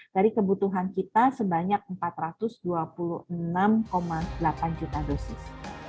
dari kebutuhan kita sebanyak empat ratus dua puluh enam delapan juta dosis